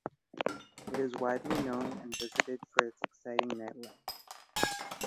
It is widely known and visited for its exciting nightlife.